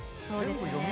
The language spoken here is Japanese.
そうですね。